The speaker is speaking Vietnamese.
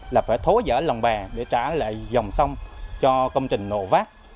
là phải thối rỡ lồng bè để trả lại dòng sông cho công trình nổ vát